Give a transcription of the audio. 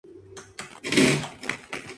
Cada jugador empieza exactamente con uno.